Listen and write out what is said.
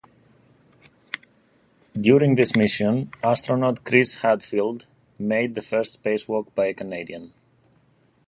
During this mission, astronaut Chris Hadfield made the first spacewalk by a Canadian.